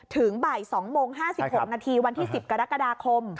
ถึงบ่าย๒โมง๕๖นาทีวันที่๑๐กรกฎาคม